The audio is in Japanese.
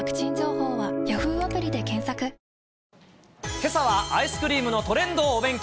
けさはアイスクリームのトレンドをお勉強。